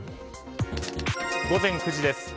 午前９時です。